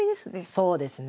そうですね。